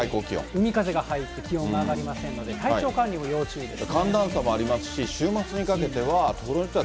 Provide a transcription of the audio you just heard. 海風が入って気温が上がりませんので、体調管理も要注意です